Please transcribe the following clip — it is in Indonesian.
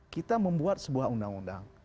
kita membuat sebuah undang undang